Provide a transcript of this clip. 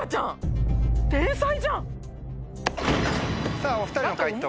さぁお２人の解答